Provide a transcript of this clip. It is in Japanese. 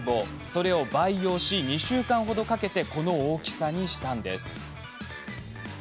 それを培養し２週間ほどかけてこの大きさにしました。